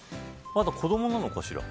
まだ、子どもなのかしら。